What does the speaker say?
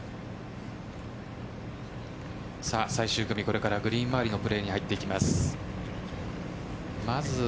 最終組、これからグリーン周りのプレーに入っていきます。